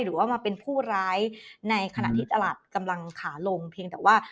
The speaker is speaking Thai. หรือว่ามาเป็นผู้ร้ายในขณะที่ตลาดกำลังขาลงเพียงแต่ว่า